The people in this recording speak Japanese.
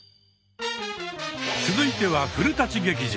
続いては「古劇場」。